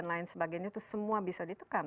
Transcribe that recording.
dan lain sebagainya itu semua bisa ditukar